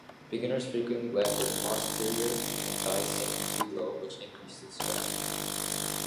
Beginners frequently let their posterior and thighs sink too low, which increases drag.